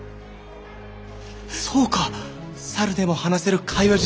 そうか「サルでも話せる会話術」